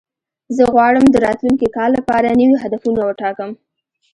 زه غواړم د راتلونکي کال لپاره نوي هدفونه وټاکم.